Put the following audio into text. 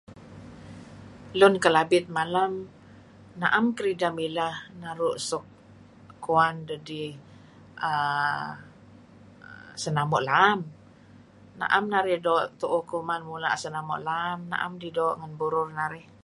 Lun Kelabit malem na'em kedideh mileh naru' suk kuwan dedih err senamo' laam, na'em narih doo' tu'uh kuman mula' senamo' laam, 'am did doo' tu'uh ngen burur narih.